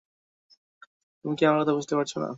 তুমি কি আমার কথা বুঝতে পারছ না?